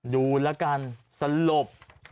ดูแล้วกันสลบ